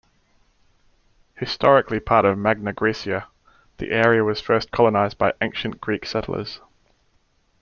Historically part of Magna Graecia, the area was first colonised by ancient Greek settlers.